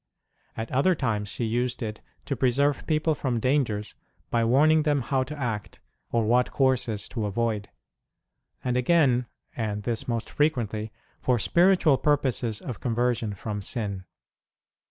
At other times she used it to preserve people from dangers by warning them how to act, or what courses to avoid ; and, again, and this most frequently, for spiritual purposes of con version from sin.